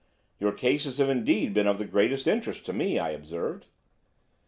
"Your cases have indeed been of the greatest interest to me," I observed.